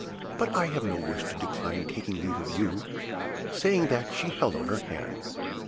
But I have no wish to decline taking leave of you.' Saying that, she held out her hand.